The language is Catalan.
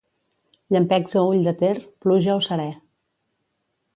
Llampecs a Ull de Ter, pluja o serè.